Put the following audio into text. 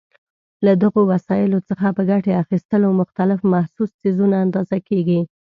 له دغو وسایلو څخه په ګټې اخیستلو مختلف محسوس څیزونه اندازه کېږي.